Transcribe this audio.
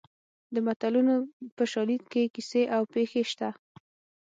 د متلونو په شالید کې کیسې او پېښې شته